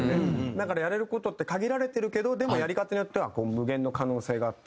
だからやれる事って限られてるけどでもやり方によっては無限の可能性があって。